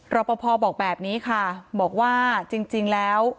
รอปภบอกแบบนี้ค่ะบอกว่าจริงแล้ว